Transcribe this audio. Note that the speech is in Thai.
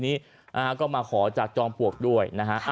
แล้วก็มาขอจากจองปวกด้วยนะฮะ